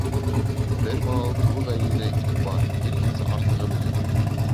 Бер балалы тулы ғаиләлә иғтибар, киреһенсә, артығы менән.